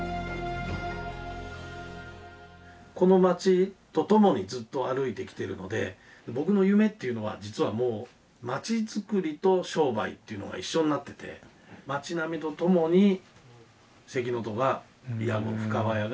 この町とともにずっと歩いてきてるので僕の夢っていうのは実はもう町づくりと商売っていうのが一緒になってて町並みとともに「関の戸」が屋号深川屋が続いていくことが一番の夢ですね。